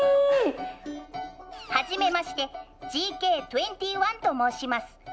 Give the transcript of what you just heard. はじめましてＧＫ２１と申します。